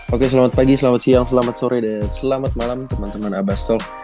oke selamat pagi selamat siang selamat sore dan selamat malam teman teman abastov